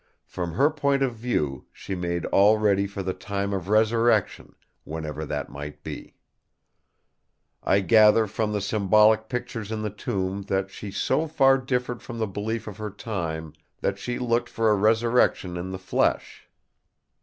From her point of view, she made all ready for the time of resurrection, whenever that might be. I gather from the symbolic pictures in the tomb that she so far differed from the belief of her time that she looked for a resurrection in the flesh.